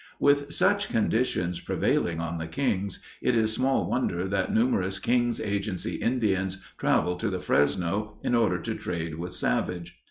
With such conditions prevailing on the Kings, it is small wonder that numerous Kings Agency Indians traveled to the Fresno in order to trade with Savage.